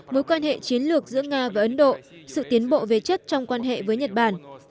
mối quan hệ chiến lược giữa nga và ấn độ sự tiến bộ về chất trong quan hệ với nhật bản